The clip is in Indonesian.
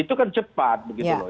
itu kan cepat begitu loh